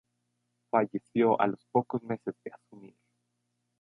Falleció a los pocos meses de asumir.